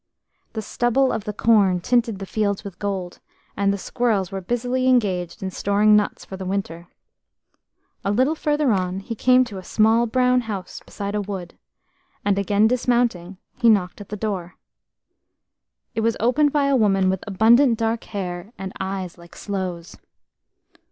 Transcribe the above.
The stubble of the corn tinted the fields with gold, and the squirrels were busily engaged in storing nuts for the winter. A little further on he came to a small brown house beside a wood, and, again dismounting, he knocked at the door. It was opened by a woman with abundant dark hair and eyes like sloes.